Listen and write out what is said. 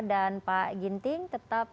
dan pak ginting tetap